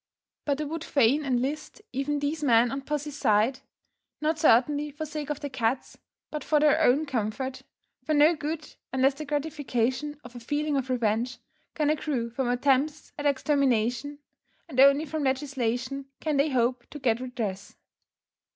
But I would fain enlist even these men on pussy's side; not certainly for sake of the cats, but for their own comfort; for no good unless the gratification of a feeling of revenge can accrue from attempts at extermination, and only from legislation can they hope to get redress.